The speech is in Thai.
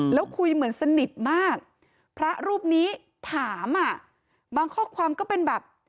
แล้วคุยเหมือนสนิทมากพระรูปนี้ถามอ่ะบางข้อความก็เป็นแบบ